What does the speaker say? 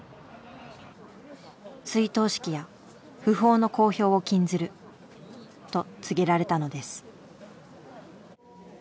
「追悼式や訃報の公表を禁ずる」と告げられたのです。